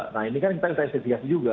nah ini kan kita yang kita investigasi juga